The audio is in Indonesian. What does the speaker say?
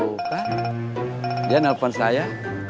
tuh kan dia nelfon saya